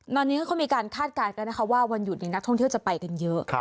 ตอนนี้เขาก็มีการคาดการณ์กันนะคะว่าวันหยุดนี้นักท่องเที่ยวจะไปกันเยอะ